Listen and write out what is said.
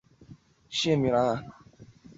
陕西户县人。